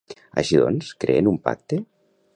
Així doncs, creen un pacte?